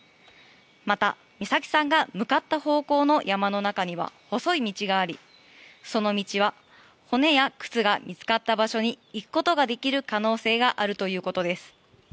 また、美咲さんが向かった方向の山の中には細い道があり、その道は骨や靴が見つかった場所に行くことができる可能性があるということです。